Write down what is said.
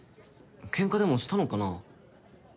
ケンカでもしたのかな？